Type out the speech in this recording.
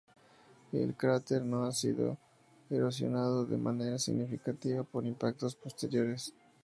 El cráter no ha sido erosionado de manera significativa por impactos posteriores.